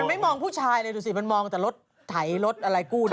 ไม่มองผู้ชายเลยดูสิมันมองแต่รถไถรถอะไรกู้นะ